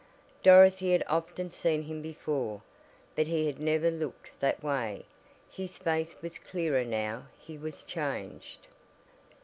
Dorothy had often seen him before, but he had never looked that way. His face was clearer now he was changed.